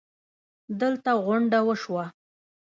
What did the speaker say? دلته غونډه وشوه